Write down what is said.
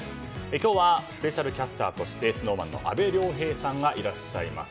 今日はスペシャルキャスターとしてＳｎｏｗＭａｎの阿部亮平さんがいらっしゃいます。